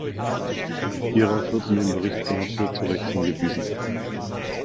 Hierauf wird in dem Bericht Palacio zu recht hingewiesen.